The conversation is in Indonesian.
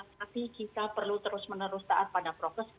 tapi kita perlu terus menerus taat pada proses karena